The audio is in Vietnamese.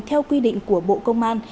theo quy định của bộ công an